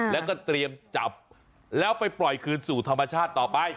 แล้วก็เตรียมจับแล้วไปปล่อยคืนสู่ธรรมชาติต่อไป